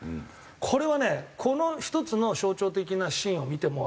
これはねこの１つの象徴的なシーンを見てもわかるように。